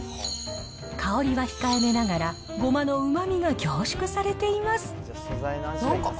香りは控えめながら、ごまのうまみが凝縮されています。